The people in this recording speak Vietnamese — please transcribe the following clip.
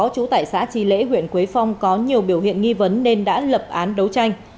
trú tại xã tri lễ huyện quế phong có nhiều biểu hiện nghi vấn nên đã lập án đấu tranh